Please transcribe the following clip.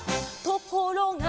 「ところが」